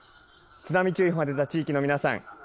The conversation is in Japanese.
津波注意報がでた地域の皆さん